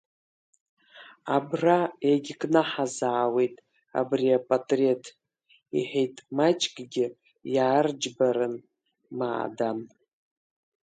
Абра иагькнаҳазаауеит абри апатреҭ, — иҳәеит, маҷкгьы иаарџьбараны Маадан.